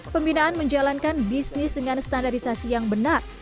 pembinaan menjalankan bisnis dengan standarisasi yang benar